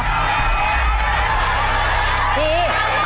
๒นาที